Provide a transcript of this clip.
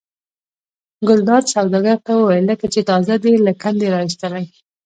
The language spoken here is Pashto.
ګلداد سوداګر ته وویل لکه چې تازه دې له کندې را ایستلي.